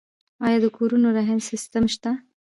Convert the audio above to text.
آیا د کورونو رهن سیستم شته؟